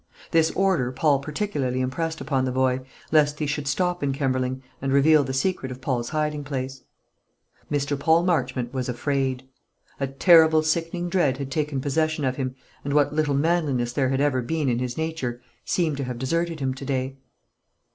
This order Paul particularly impressed upon the boy, lest he should stop in Kemberling, and reveal the secret of Paul's hiding place. Mr. Paul Marchmont was afraid. A terrible sickening dread had taken possession of him, and what little manliness there had ever been in his nature seemed to have deserted him to day.